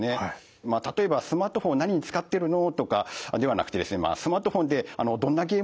例えば「スマートフォンを何に使ってるの？」とかではなくてですね「スマートフォンでどんなゲームをしてるの？」